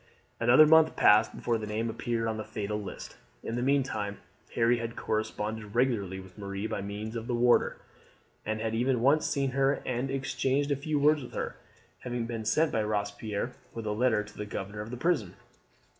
Another month passed before the name appeared on the fatal list. In the meantime Harry had corresponded regularly with Marie by means of the warder, and had even once seen her and exchanged a few words with her, having been sent by Robespierre with a letter to the governor of the prison.